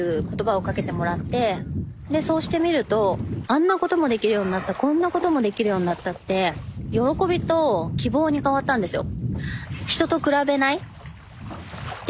あんなこともできるようになったこんなこともできるようになったって喜びと希望に変わったんですよ。